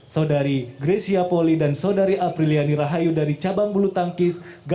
saudari grecia poli dan saudari apriliani rahayu dari cabang bulu tangkis